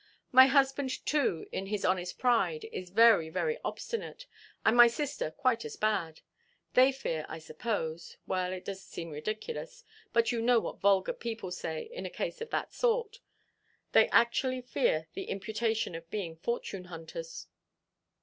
My husband, too, in his honest pride, is very, very obstinate, and my sister quite as bad. They fear, I suppose,—well, it does seem ridiculous, but you know what vulgar people say in a case of that sort—they actually fear the imputation of being fortune–hunters!"